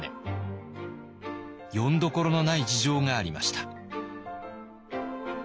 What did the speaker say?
よんどころのない事情がありました。